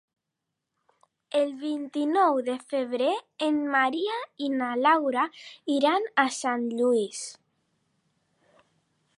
El vint-i-nou de febrer en Maria i na Laura iran a Sant Lluís.